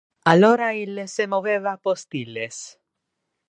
Alora ille se moveva post illes.